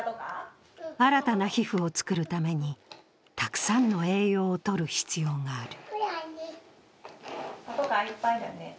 新たな皮膚を作るためにたくさんの栄養をとる必要がある。